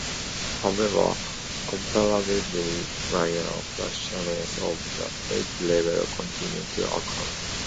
However, comparatively minor fluctuations of the lake's level continue to occur.